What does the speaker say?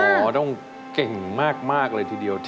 ต้องเก่งมากเลยทีเดียว